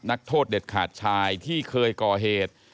นักโทษเด็ดขาดชายที่เคยก่อเหตุ